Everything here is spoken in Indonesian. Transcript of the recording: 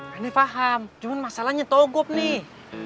gak ngefaham cuman masalahnya togop nih